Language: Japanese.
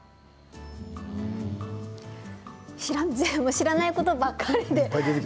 知らないことばかりで。